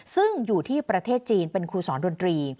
ซึ่งอยู่ที่ประเทศจีนเป็นครูสอนดนตรี